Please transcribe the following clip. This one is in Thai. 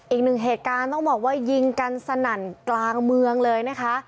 อีกหนึ่งเหตุการณ์ต้องบอกว่ายิงกันสนั่นกลางเมืองเลยนะคะ